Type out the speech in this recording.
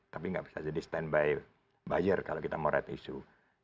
tapi nggak bisa jadi standby buyer kalau kita mau red issue